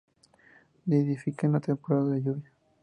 Nidifica en la temporada de lluvia.